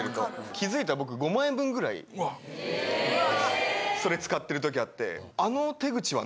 気づいたら僕５万円分ぐらいそれ使ってる時あって。